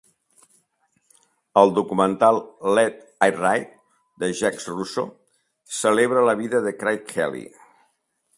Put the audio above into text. El documental "Let It Ride" de Jacques Russo, celebra la vida de Craig Kelly.